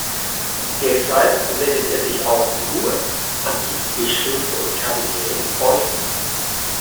Deshalb wendet er sich auch nur an die Bischöfe und Kardinäle in Preußen.